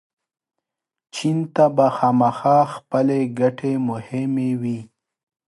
چین ته به خامخا خپلې ګټې مهمې وي.